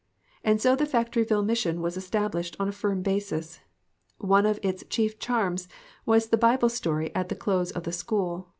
And so the Factory ville mission was estab lished on a firm basis. One of its chief charms was the Bible story at the close of the school.